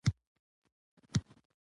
چي یې وکتل په غشي کي شهپر وو